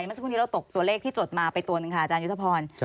เมื่อสักครู่นี้เราตกตัวเลขที่จดมาไปตัวหนึ่งค่ะอาจารยุทธพร